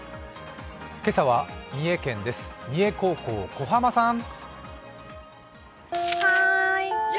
今朝は三重県です三重高校、小濱さん。